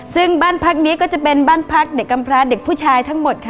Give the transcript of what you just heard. ซึ่งบ้านพักนี้ก็จะเป็นบ้านพักเด็กกำพระเด็กผู้ชายทั้งหมดค่ะ